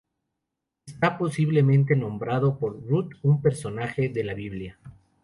Está posiblemente nombrado por Rut, un personaje de la Biblia.